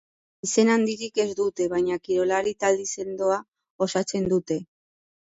Izen handirik ez dute, baina kirolari talde sendoa osatzen dute.